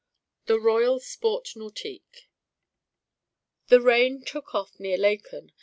THE ROYAL SPORT NAUTIQUE THE rain took off near Laeken.